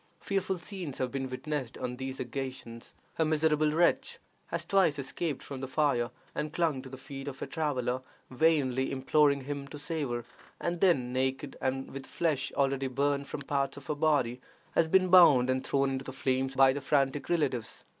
Fearful scenes have been witnessed on these occasions. A miserable wretch has twice escaped from the fire and clung to the feet of a traveler, vainly imploring him to save her; and then, naked, and with the flesh already burned from parts of her body, has been bound and thrown into the flames by the frantic relatives.